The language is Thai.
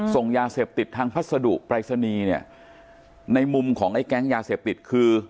ส่งยาเสพติดทางพัสดุปรายศนีย์เนี่ยในมุมของไอ้แก๊งยาเสพติดคือ